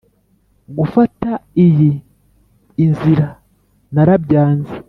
gufata iyi inzira narabyanze